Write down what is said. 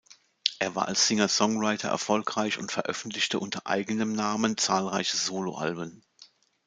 Er war als Singer-Songwriter erfolgreich und veröffentlichte unter eigenem Namen zahlreiche Soloalben.